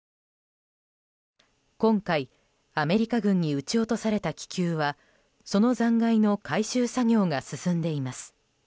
今回、アメリカ軍に撃ち落とされた気球はその残骸の回収作業が進んでいます。